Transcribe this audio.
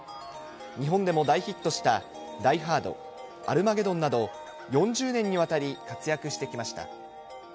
日本でも大ヒットしたダイ・ハード、アルマゲドンなど、４０年にわたり活躍してきました。